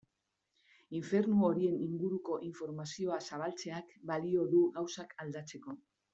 Infernu horien inguruko informazioa zabaltzeak balio du gauzak aldatzeko?